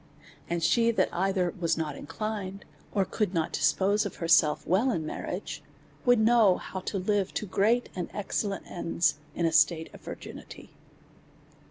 And she that either was not inclined^ or could not dispose of herself well in marriage, would know how to live to great and excellent ends in a state of vir ginity.